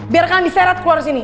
biarkan di serat keluar sini